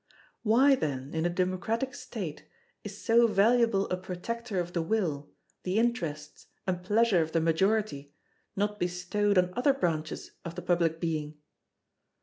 Why, then, in a democratic State, is so valuable a protector of the will, the interests, and pleasure of the majority not bestowed on other branches of the public being?